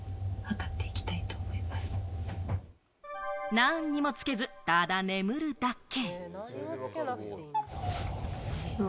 なんにもつけず、ただ眠るだけ。